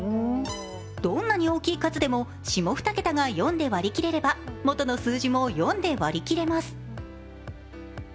どんなに大きい数でも、下２桁が４で割り切れれば元の数字も４で割り切れます。